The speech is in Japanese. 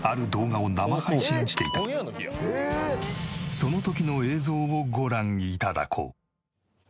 その時の映像をご覧頂こう。